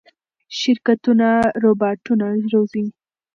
شرکتونه روباټونه روزي.